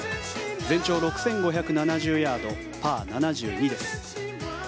全長６５７０ヤードパー７２です。